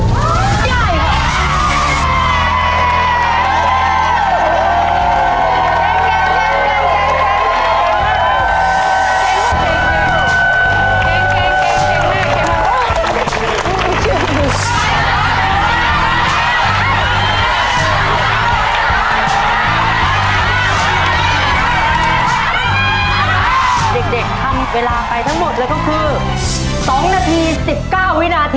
ไปทั้งหมดแล้วก็คือ๒นาที๑๙วินาทีครับ